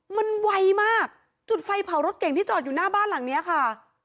มันไวมากจุดไฟเผารถเก่งที่จอดอยู่หน้าบ้านหลังเนี้ยค่ะ